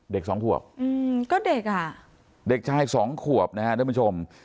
สองขวบอืมก็เด็กอ่ะเด็กชายสองขวบนะฮะท่านผู้ชม